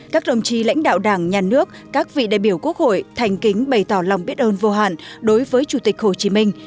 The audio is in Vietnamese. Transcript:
các đồng chí lãnh đạo đảng nhà nước các vị đại biểu quốc hội thành kính bày tỏ lòng biết ơn vô hạn đối với chủ tịch hồ chí minh